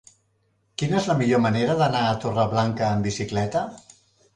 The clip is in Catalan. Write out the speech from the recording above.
Quina és la millor manera d'anar a Torreblanca amb bicicleta?